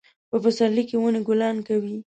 په پسرلي کې ونې ګلان کوي